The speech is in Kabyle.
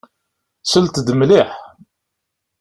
Slet-d mliḥ.